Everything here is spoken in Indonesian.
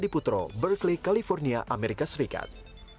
budi adiputro berkelay cuburn sliderszvikat